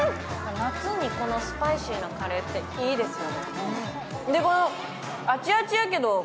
夏にこのスパイシーなカレーっていいですよね。